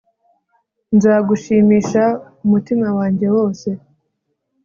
nzagushimisha umutima wanjye wose